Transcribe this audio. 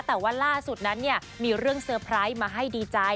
แต่ว่าล่าสุดนั้นเนี่ยมีเรื่องเซอร์ไพรส์มาให้ดีใจ